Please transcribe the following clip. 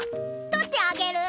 とってあげる。